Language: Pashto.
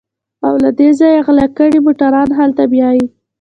او له دې ځايه غلا کړي موټران هلته بيايي.